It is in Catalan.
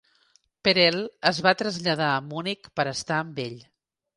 Perel es va traslladar a Munic per estar amb ell.